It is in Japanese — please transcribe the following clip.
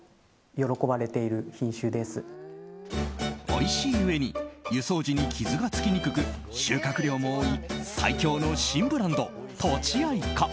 おいしいうえに輸送時に傷がつきにくく収穫量も多い最強の新ブランドとちあいか。